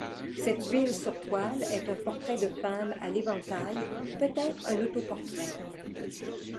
Cette huile sur toile est un portrait de femme à l'éventail, peut-être un autoportrait.